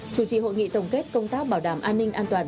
chủ trì hội nghị tổng kết công tác bảo đảm an ninh an toàn